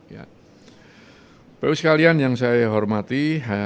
bapak ibu sekalian yang saya hormati